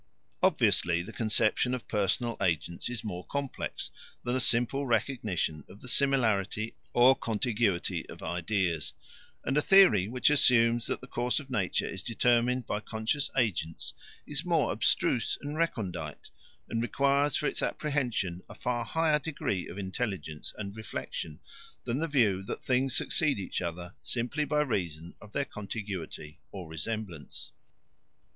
Obviously the conception of personal agents is more complex than a simple recognition of the similarity or contiguity of ideas; and a theory which assumes that the course of nature is determined by conscious agents is more abstruse and recondite, and requires for its apprehension a far higher degree of intelligence and reflection, than the view that things succeed each other simply by reason of their contiguity or resemblance.